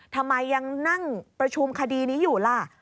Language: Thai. ทำไมยังนั่งประชุมคดีนี้อยู่ล่ะ